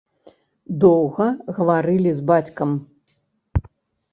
Доўга гаварылі з бацькам.